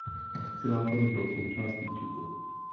Oscilátor byl součástí čipu.